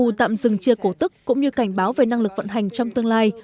khi galago tạm dừng chia cổ tức cũng như cảnh báo về năng lực vận hành trong tương lai